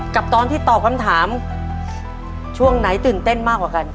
กับตอนที่ตอบคำถามช่วงไหนตื่นเต้นมากกว่ากัน